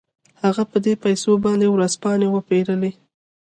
هغه په دې پيسو باندې ورځپاڼې وپېرلې.